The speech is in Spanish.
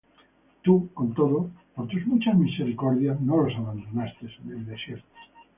Tú, con todo, por tus muchas misericordias no los abandonaste en el desierto: